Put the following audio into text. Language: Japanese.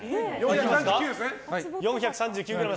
４３９ｇ。